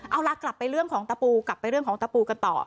เอาล่ะกลับไปเรื่องของตะปูกลับไปเรื่องของตะปูกันต่อ